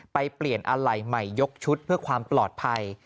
ไปเปลี่ยนอะไรใหม่ยกชุดเพื่อความปลอดภัย